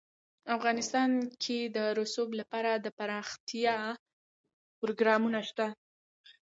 افغانستان کې د رسوب لپاره دپرمختیا پروګرامونه شته.